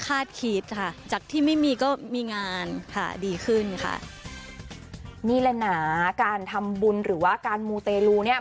ค่ะดีขึ้นค่ะนี่แหละน่ะการทำบุญหรือว่าการมูเตรลูเนี้ย